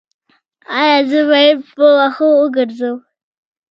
ایا زه باید په وښو وګرځم؟